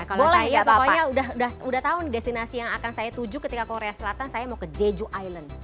boleh ya pokoknya udah tahu destinasi yang akan saya tuju ketika korea selatan saya mau ke jeju island